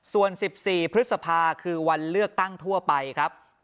ส่วน๑๔พฤษภาคือวันเลือกตั้งทั่วไปครับ